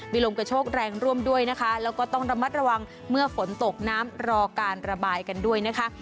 มีลมกระโชกแรงร่วมด้วยนะคะแล้วก็ต้องระมัดระวังเมื่อฝนตกน้ำรอการระบายกันด้วยนะคะ